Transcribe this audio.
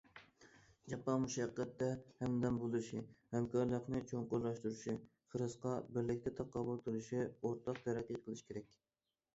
جاپا مۇشەققەتتە ھەمدەم بولۇشى، ھەمكارلىقنى چوڭقۇرلاشتۇرۇشى، خىرىسقا بىرلىكتە تاقابىل تۇرۇشى، ئورتاق تەرەققىي قىلىشى كېرەك.